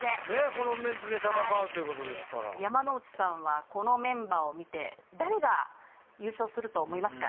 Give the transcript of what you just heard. このメンツで戦うということですから山之内さんはこのメンバーを見て誰が優勝すると思いますか？